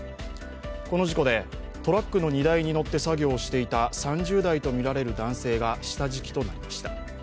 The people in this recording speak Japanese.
この事故でトラックの荷台に乗って作業していた３０代とみられる男性が下敷きとなりました。